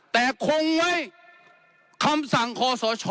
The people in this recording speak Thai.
แต่คงไว้คำสั่งคอสช